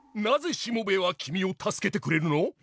なぜしもべえは君を助けてくれるの？